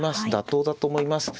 妥当だと思います。